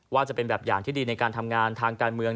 จะเป็นแบบอย่างที่ดีในการทำงานทางการเมือง